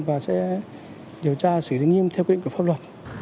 và sẽ điều tra xử lý nghiêm theo quy định của pháp luật